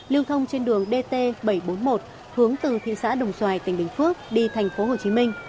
lưu thông trên đường dt bảy trăm bốn mươi một hướng từ thị xã đồng xoài tỉnh bình phước đi thành phố hồ chí minh